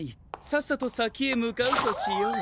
さっさとさきへむかうとしよう。